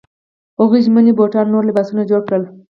هغوی ژمني بوټان او نور لباسونه جوړ کړل.